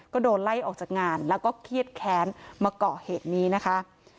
ก็โดนไล่ออกจากงานแล้วก็เครียดแค้นมาเกาะเหตุนี้นะคะ